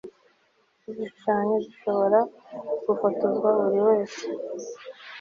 igishushanyo gishobora gufotorwa buri wese